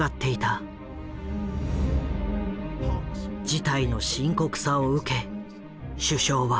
事態の深刻さを受け首相は。